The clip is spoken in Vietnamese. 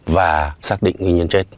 và xác định nguyên nhân chết